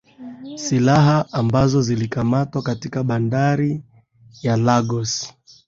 silaha ambazo zilikamatwa katika bandari ya lagos